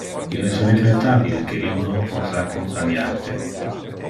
Il es regrettabile que io non pote accompaniar te.